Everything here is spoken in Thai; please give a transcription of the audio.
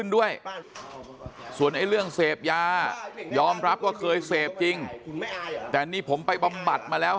ด้วยส่วนไอ้เรื่องเสพยายอมรับว่าเคยเสพจริงแต่นี่ผมไปบำบัดมาแล้ว